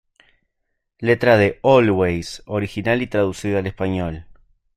Letra de "Always" original y traducida al español